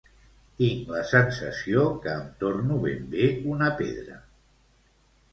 Tinc la sensació que em torno ben bé una pedra.